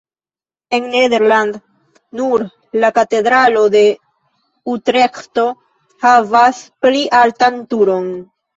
En Nederland nur la katedralo de Utreĥto havas pli altan turon.